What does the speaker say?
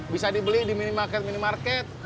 bisa dibeli di minimarket minimarket